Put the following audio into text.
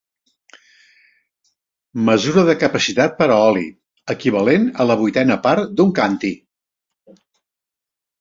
Mesura de capacitat per a oli, equivalent a la vuitena part d'un càntir.